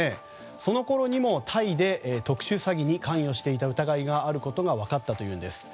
そのころにも、タイで特殊詐欺に関与していた疑いがあることが分かったというんです。